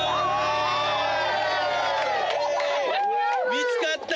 見つかった！